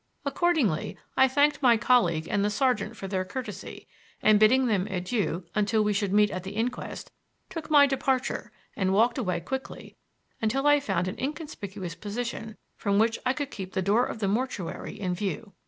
Accordingly I thanked my colleague and the sergeant for their courtesy, and bidding them adieu until we should meet at the inquest, took my departure and walked away quickly until I found an inconspicuous position from which I could keep the door of the mortuary in view.